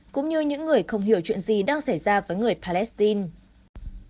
cũng như những người không hiểu chuyện gì đang xảy ra với người palestine